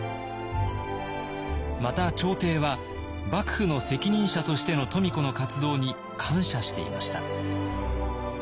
また朝廷は幕府の責任者としての富子の活動に感謝していました。